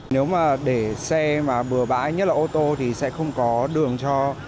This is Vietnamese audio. nếu mà để xe mà bừa bãi nhất là ô tô thì sẽ không có đường cho